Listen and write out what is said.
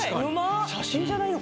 写真じゃないの？